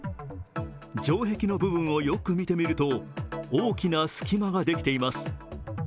城壁の部分をよく見てみると大きな隙間ができています。